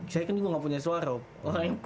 saya kan juga nggak punya suara om